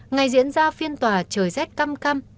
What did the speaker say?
ngày diễn ra phiên tòa trời rét cam cam